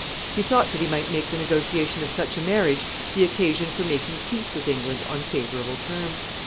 He thought that he might make the negotiation of such a marriage the occasion for making peace with England on favorable terms.